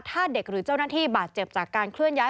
ถ้าเด็กหรือเจ้าหน้าที่บาดเจ็บจากการเคลื่อนย้าย